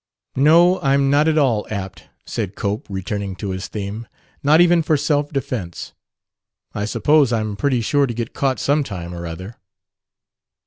"No, I'm not at all apt," said Cope, returning to his theme; "not even for self defense. I suppose I'm pretty sure to get caught some time or other."